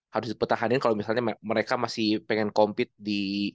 harus dipertahanin kalau misalnya mereka masih pengen compete di